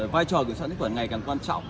vai trò kiểm soát những khuẩn ngày càng quan trọng